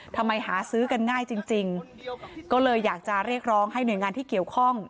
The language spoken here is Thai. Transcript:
หาซื้อกันง่ายจริงก็เลยอยากจะเรียกร้องให้หน่วยงานที่เกี่ยวข้อง